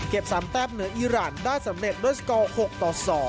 เก็บสามแป๊บเหนืออีรานได้สำเร็จด้วยสกอร์๖ต่อ๒